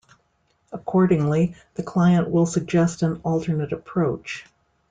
Accordingly, the client will suggest an alternate approach.